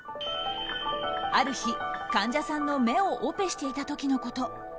ある日、患者さんの目をオペしていた時のこと。